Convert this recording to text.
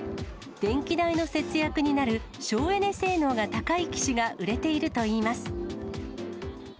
電気代の節約になる省エネ性能が高い機種が売れているといいます。